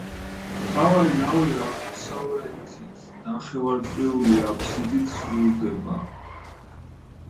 მთავარი ნავი აღმოსავლეთით ნახევარწრიული აბსიდით სრულდება.